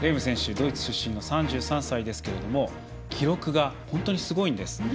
ドイツ出身の３３歳ですが記録が本当にすごいんです。